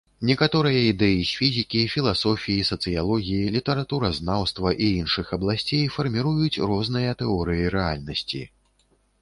Некаторыя ідэі з фізікі, філасофіі, сацыялогіі, літаратуразнаўства, і іншых абласцей фарміруюць розныя тэорыі рэальнасці.